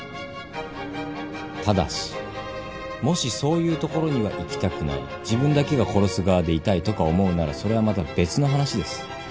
ただしもしそういう所には行きたくない自分だけが殺す側でいたいとか思うならそれはまた別の話です。